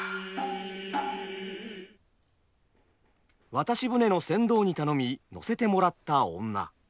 渡し船の船頭に頼みのせてもらった女。